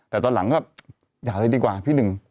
แต่ตอนหลังก็อย่าเลยดีกว่าพี่หนึ่ง